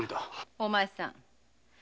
お前さん。